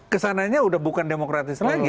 kesananya udah bukan demokratis lagi